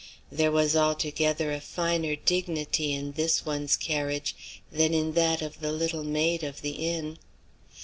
There was altogether a finer dignity in this one's carriage than in that of the little maid of the inn.